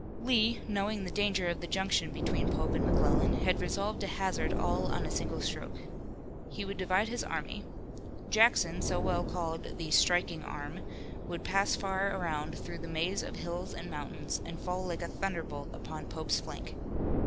Lee, knowing the danger of the junction between Pope and McClellan had resolved to hazard all on a single stroke. He would divide his army. Jackson, so well called "the striking arm," would pass far around through the maze of hills and mountains and fall like a thunderbolt upon Pope's flank.